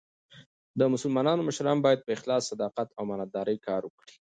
د مسلمانانو مشران باید په اخلاص، صداقت او امانت کار وکي.